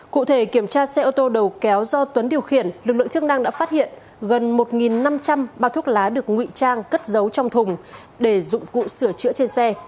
cụ thể kiểm tra xe ô tô đầu kéo do tuấn điều khiển lực lượng chức năng đã phát hiện gần một năm trăm linh bao thuốc lá được nguy trang cất giấu trong thùng để dụng cụ sửa chữa trên xe